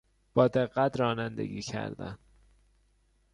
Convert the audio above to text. با دقت رانندگی کردن